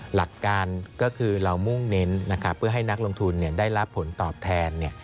หลักการก็คือเรามุ่งเน้นเพื่อให้นักลงทุนได้รับผลตอบแทน